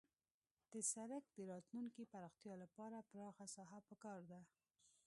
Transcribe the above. د سرک د راتلونکي پراختیا لپاره پراخه ساحه پکار ده